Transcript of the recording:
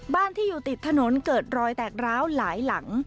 บ้านที่อยู่ติดถนนเกิดรอยแตกร้าวหลายหลัง